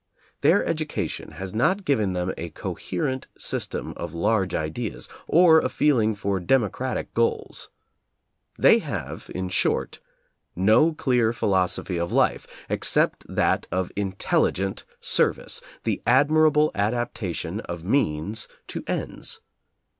Their education has not given them a coherent system of large ideas, or a feeling for democratic goals. They have, in short, no clear philosophy of life except that of intelligent serv ice, the admirable adaptation of means to ends.